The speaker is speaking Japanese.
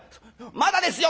まだですよ！